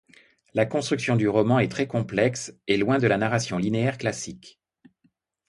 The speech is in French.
La construction du roman est très complexe et loin de la narration linéaire classique.